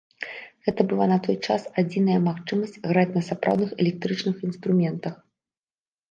Гэта была на той час адзіная магчымасць граць на сапраўдных электрычных інструментах.